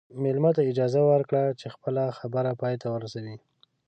مېلمه ته اجازه ورکړه چې خپله خبره پای ته ورسوي.